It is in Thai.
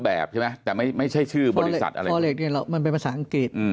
แบบใช่ไหมแต่ไม่ใช่ชื่อบริษัทอะไรเนี่ยมันเป็นภาษาอังกฤษ